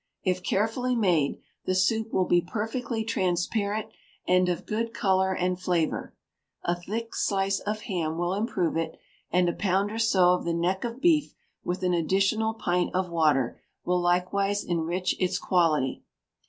If carefully made, the soup will be perfectly transparent, and of good colour and flavour. A thick slice of ham will improve it, and a pound or so of the neck of beef with an additional pint of water, will likewise enrich its quality.